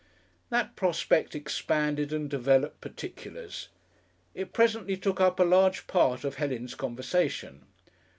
That prospect expanded and developed particulars. It presently took up a large part of Helen's conversation.